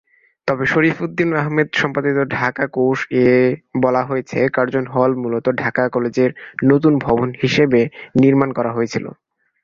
তবে শরীফ উদ্দিন আহমেদ সম্পাদিত ঢাকা কোষ-এ বলা হয়েছে, কার্জন হল মূলত ঢাকা কলেজের নতুন ভবন হিসেবে নির্মাণ করা হয়েছিল।